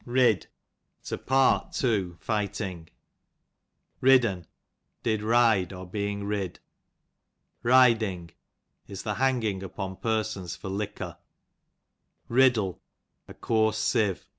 Rid, to part two fighting, Ridd'n, did ride, *>r being rid. Riding, is the hanging upon persons for liquor. 84f Ta£ GLOSSARY. Riddle, a coane sieve.